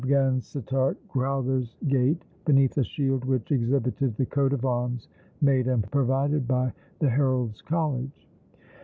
Vansittart Crowther's gate, beneath a shield which exhibited the coat of arms made and provided by the Herald's College.